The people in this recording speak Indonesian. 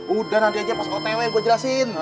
udah nanti aja pas otw gue jelasin